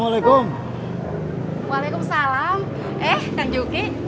waalaikumsalam eh kang juki